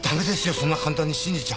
そんな簡単に信じちゃ。